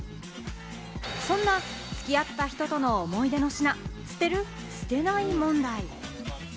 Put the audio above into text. そんなつき合った人との思い出の品、捨てる・捨てない問題。